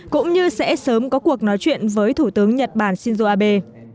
cũng như sẽ sớm có cuộc nói chuyện với thủ tướng nhật bản shinzo abe